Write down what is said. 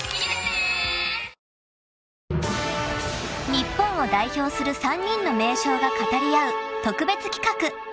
［日本を代表する３人の名将が語り合う特別企画］